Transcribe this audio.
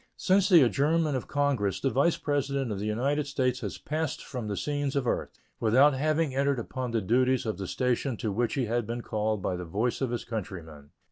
Since the adjournment of Congress the Vice President of the United States has passed from the scenes of earth, without having entered upon the duties of the station to which he had been called by the voice of his countrymen.